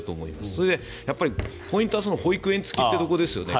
それで、ポイントは保育園付きというところですよね。